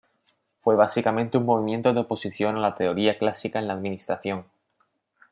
Fue básicamente un movimiento de oposición a la teoría clásica de la administración.